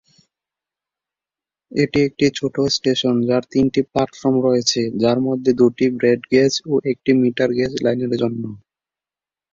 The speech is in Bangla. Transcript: এটি একটি ছোট স্টেশন যার তিনটি প্লাটফর্ম রয়েছে, যার মধ্যে দুটি ব্রড গেজ ও একটি মিটার গেজ লাইনের জন্য।